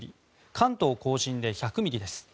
関東・甲信で１００ミリです。